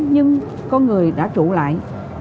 nhưng có người đã trụ lại